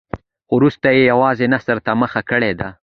خو وروسته یې یوازې نثر ته مخه کړې ده.